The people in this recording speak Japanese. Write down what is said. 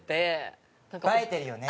映えてるよね。